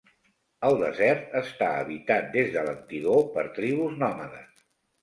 El desert està habitat des de l'antigor per tribus nòmades.